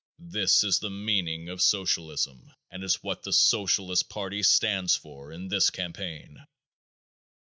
This is the meaning of Socialism and is what the Socialist party stands for in this campaign.